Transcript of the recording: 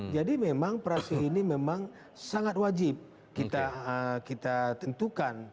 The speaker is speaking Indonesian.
jadi memang prase ini memang sangat wajib kita tentukan